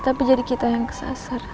tapi jadi kita yang kesasar